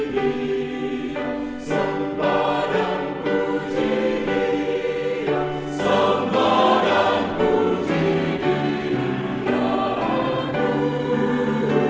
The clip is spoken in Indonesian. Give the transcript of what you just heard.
buat chesed hemil atau alontan dan fuel